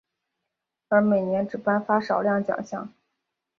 而每年只颁发少量奖项。